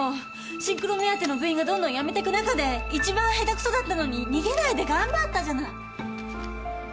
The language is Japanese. シンクロ目当ての部員がどんどん辞めてくなかでいちばん下手くそだったのに逃げないで頑張ったじゃない。